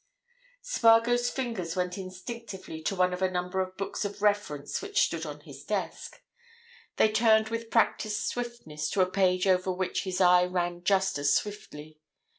Spargo's fingers went instinctively to one of a number of books of reference which stood on his desk: they turned with practised swiftness to a page over which his eye ran just as swiftly.